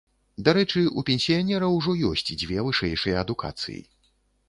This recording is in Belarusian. Дарэчы, у пенсіянера ўжо ёсць дзве вышэйшыя адукацыі.